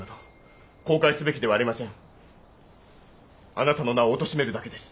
あなたの名をおとしめるだけです。